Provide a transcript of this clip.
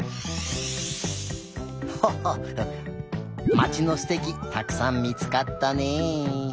まちのすてきたくさん見つかったね。